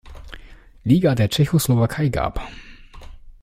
Liga der Tschechoslowakei gab.